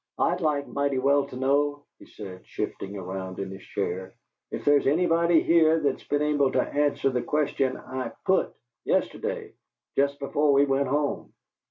"I'd like mighty well to know," he said, shifting round in his chair, "if there's anybody here that's been able to answer the question I PUT, yesterday, just before we went home.